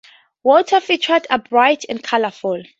Water features are bright and colorful.